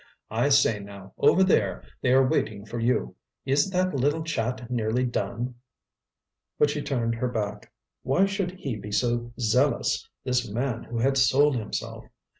"I say now, over there, they are waiting for you! Is that little chat nearly done?" But she turned her back. Why should he be so zealous, this man who had sold himself?